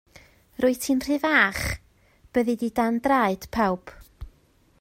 Rwyt ti'n rhy fach, byddi di dan draed pawb.